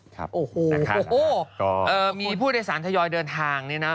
ครับนะคะนะคะมีผู้โดยสารทะยอยเดินทางนี่นะ